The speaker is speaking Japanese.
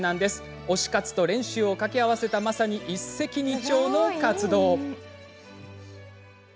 推し活と練習を掛け合わせたまさに一石二鳥の活動。